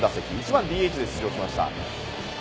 １番ＤＨで出場しました。